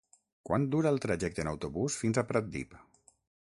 Quant dura el trajecte en autobús fins a Pratdip?